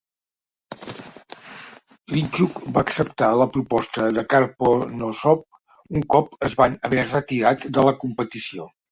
Linichuk va acceptar la proposta de Karponosov un cop es van haver retirat de la competició.